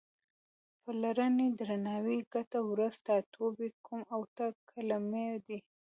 پلرنی، درناوی، ګټه، ورځ، ټاټوبی، کوم او ته کلمې دي.